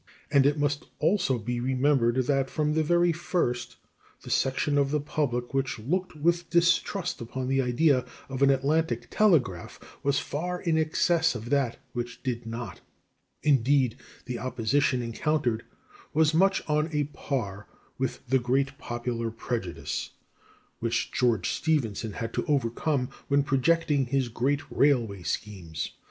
And it must also be remembered that, from the very first, the section of the public which looked with distrust upon the idea of an Atlantic telegraph was far in excess of that which did not; indeed, the opposition encountered was much on a par with the great popular prejudice which George Stephenson had to overcome when projecting his great railway schemes.